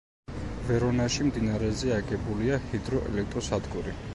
ვერონაში მდინარეზე აგებულია ჰიდროელექტროსადგური.